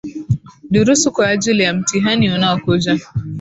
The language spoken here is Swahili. Durusu kwa ajali ya mtihani unaokuja.